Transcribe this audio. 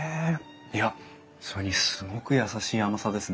いやそれにすごく優しい甘さですね。